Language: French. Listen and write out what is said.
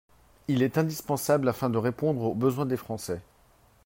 Il est indispensable afin de répondre aux besoins des Français.